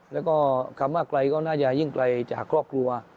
แล้วก็คำว่าไกลก็น่าจะยิ่งไกลจากครอบครัว